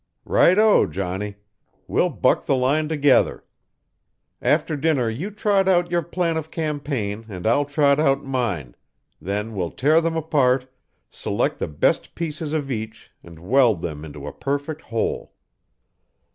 "Right o, Johnny. We'll buck the line together. After dinner you trot out your plan of campaign and I'll trot out mine; then we'll tear them apart, select the best pieces of each and weld them into a perfect whole."